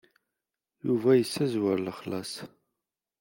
Yuba yessezwer lexlaṣ.